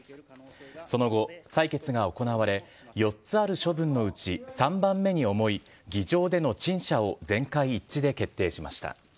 その後、採決が行われ、４つある処分のうち、３番目に重い議場での陳謝を全会一致で決定しました。